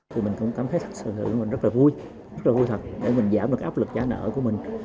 thì mình cũng cảm thấy thật sự rất là vui rất là vui thật để mình giảm được áp lực trả nợ của mình